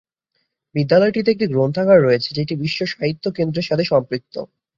বিদ্যালয়টিতে একটি গ্রন্থাগার রয়েছে, যেটি বিশ্ব সাহিত্য কেন্দ্রের সাথে সম্পৃক্ত।